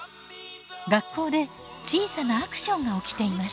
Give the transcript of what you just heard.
学校で小さなアクションが起きていました。